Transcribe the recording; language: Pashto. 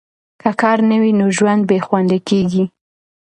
که کار نه وي، نو ژوند بې خونده کیږي.